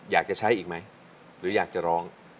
อยากจะใช้อีกไหมหรืออยากจะร้อง